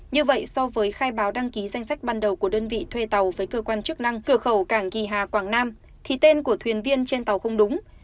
như vậy so với khai báo đăng ký danh sách ban đầu của đơn vị thuê tàu với cơ quan chức năng cửa khẩu cảng kỳ hà quảng nam thì tên của thuyền viên trên tàu không đúng